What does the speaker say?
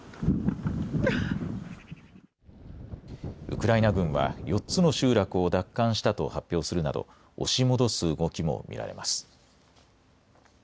ウクライナ軍は４つの集落を奪還したと発表するなど押し戻す動きも見られます。